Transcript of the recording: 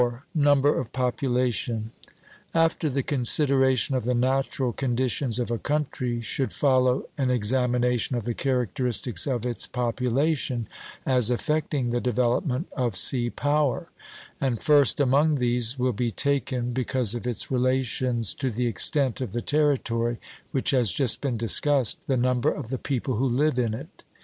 Number of Population. After the consideration of the natural conditions of a country should follow an examination of the characteristics of its population as affecting the development of sea power; and first among these will be taken, because of its relations to the extent of the territory, which has just been discussed, the number of the people who live in it.